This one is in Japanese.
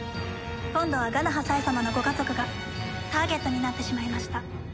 今度は我那覇冴様のご家族がターゲットになってしまいました。